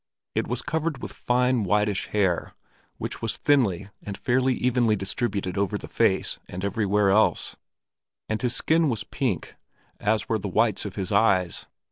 It was covered with fine, whitish hair, which was thinly and fairly evenly distributed over the face and everywhere else; and his skin was pink, as were the whites of his eyes.